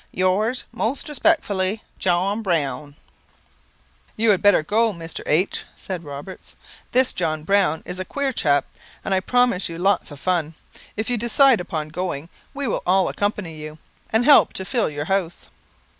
"Yours, most respectfully, "John Browne." "You had better go, Mr. H ," said Roberts. "This John Browne is a queer chap, and I promise you lots of fun. If you decide upon going we will all accompany you, and help to fill your house."